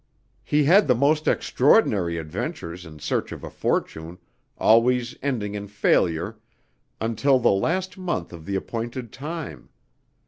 "He had the most extraordinary adventures in search of a fortune, always ending in failure, until the last month of the appointed time.